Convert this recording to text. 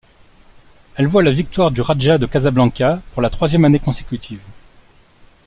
Elle voit la victoire du Raja de Casablanca pour la troisième année consécutive.